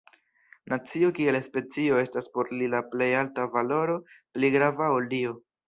Nacio kiel specio estas por li la plej alta valoro, pli grava ol Dio.